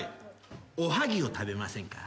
おはぎを食べませんか？